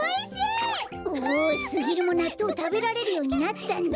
おおすぎるもなっとうたべられるようになったんだ。